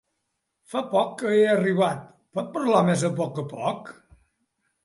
Fa poc, que he arribat, pot parlar més a poc a poc?